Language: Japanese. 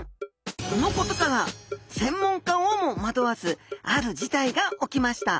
このことから専門家をも惑わすある事態が起きました！